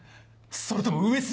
それとも上杉か？